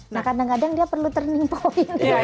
nah kadang kadang dia perlu turning point gitu